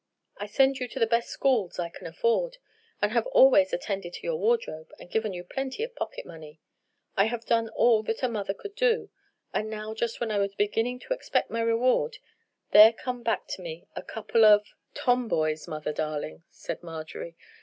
I sent you to the best schools I could afford, and have always attended to your wardrobe, and given you plenty of pocket money. I have done all that a mother could do, and now just when I was beginning to expect my reward, there come back to me a couple of——" "Tomboys, mother darling," said Marjorie.